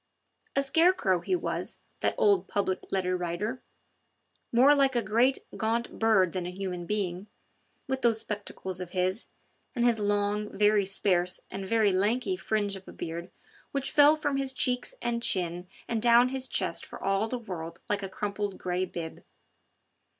A scarecrow he was, that old Public Letter Writer, more like a great, gaunt bird than a human being, with those spectacles of his, and his long, very sparse and very lanky fringe of a beard which fell from his cheeks and chin and down his chest for all the world like a crumpled grey bib.